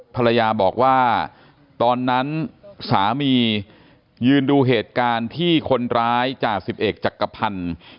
ภรรยาบอกว่าตอนนั้นสามียืนดูเหตุการณ์ที่คนร้ายจ่าสิบเอกจักรพันธ์